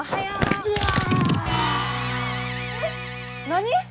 何？